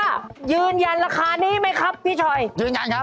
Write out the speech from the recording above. อะไรนั่นแหละที่พี่เขียนคืออะไรล่ะ